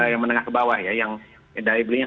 yang menengah ke bawah ya yang daya belinya